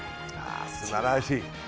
ああすばらしい！